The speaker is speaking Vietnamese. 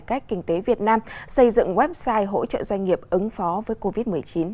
cách kinh tế việt nam xây dựng website hỗ trợ doanh nghiệp ứng phó với covid một mươi chín